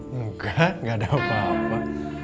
enggak enggak ada apa apa